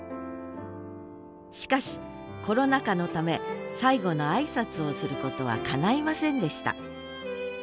しかしコロナ禍のため最後の挨拶をすることはかないませんでした。